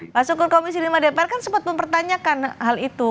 pak sukur komisi lima dpr kan sempat mempertanyakan hal itu